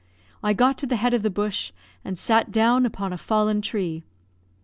I got to the head of the bush, and sat down upon a fallen tree.